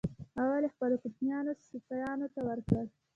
اول یې خپلو کوچنیو سپیانو ته ورکړه.